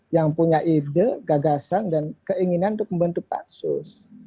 yang punya ide gagasan dan keinginan untuk membentuk pansus